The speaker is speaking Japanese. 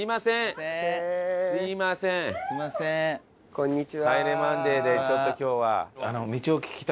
こんにちは。